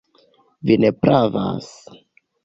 Vi ne pravas.